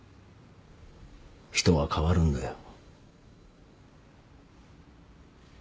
人は変わるんだよ。